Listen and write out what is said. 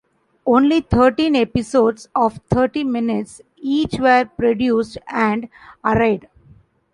Only thirteen episodes of thirty-minutes each were produced and aired.